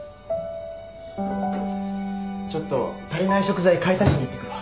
ちょっと足りない食材買い足しに行ってくるわ。